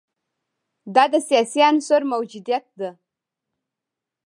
دا د سیاسي عنصر موجودیت ده.